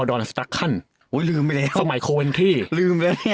โอ้ยลืมไปแล้ว